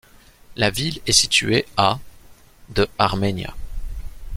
La ville est située à de Armenia.